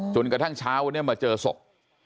จนกระทั่งเช้าวันนี้มาเจอศพ